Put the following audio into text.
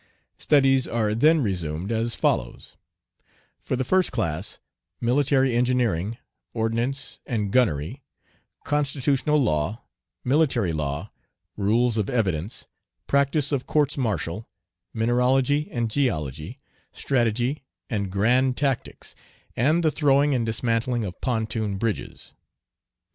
Studies are then resumed as follows: For the first class military engineering, ordnance, and gunnery, constitutional law, military law, rules of evidence, practice of courts martial, mineralogy, and geology, strategy, and grand tactics, and the throwing and dismantling of pontoon bridges.